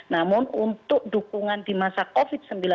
namun untuk dukungan di masa covid sembilan belas